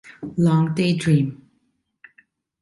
long daydream